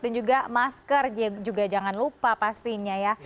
dan juga masker juga jangan lupa pastinya ya